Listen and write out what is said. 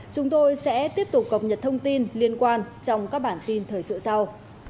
chúng tôi sẽ tiếp tục cập nhật thông tin liên quan trong các bản tin thời sự sau